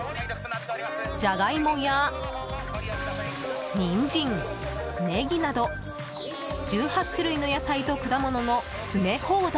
ジャガイモやニンジン、ネギなど１８種類の野菜と果物の詰め放題。